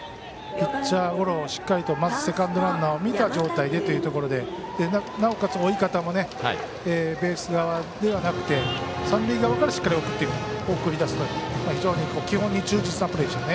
ピッチャーゴロをまずセカンドランナーを見た状態というところでなおかつ追い方もベース側ではなくて三塁側からしっかり送り出すという非常に基本に忠実なプレーでした。